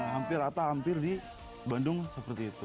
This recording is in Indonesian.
hampir rata hampir di bandung seperti itu